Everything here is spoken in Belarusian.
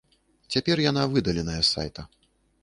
Цяпер яна выдаленая з сайта.